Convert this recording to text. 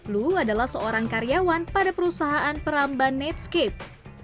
loo adalah seorang karyawan pada perusahaan peramban netscape